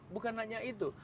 bukan hanya itu